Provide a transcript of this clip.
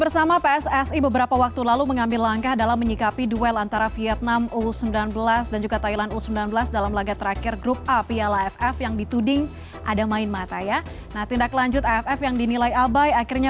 sampai jumpa di video selanjutnya